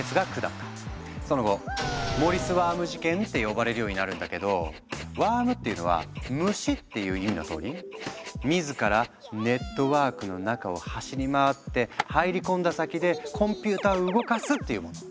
その後「モリスワーム事件」って呼ばれるようになるんだけど「ワーム」っていうのは「虫」っていう意味のとおり「自らネットワークの中を走り回って入り込んだ先でコンピューターを動かす」っていうもの。